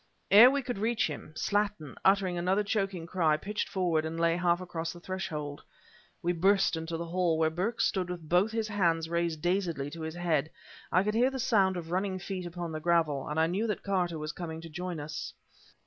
Ere we could reach him, Slattin, uttering another choking cry, pitched forward and lay half across the threshold. We burst into the hall, where Burke stood with both his hands raised dazedly to his head. I could hear the sound of running feet upon the gravel, and knew that Carter was coming to join us.